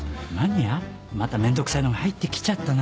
まためんどくさいのが入ってきちゃったな。